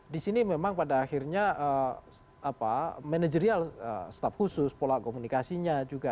di sini memang pada akhirnya manajerial staff khusus pola komunikasinya juga